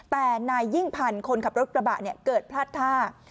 แต่ในยิ่งพันธุ์คนขับรถกระบะเกิดพลาดท่า